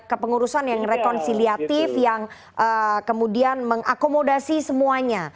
kepengurusan yang rekonsiliatif yang kemudian mengakomodasi semuanya